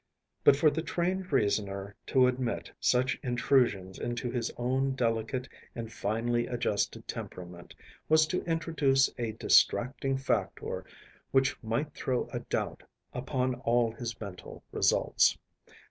But for the trained reasoner to admit such intrusions into his own delicate and finely adjusted temperament was to introduce a distracting factor which might throw a doubt upon all his mental results.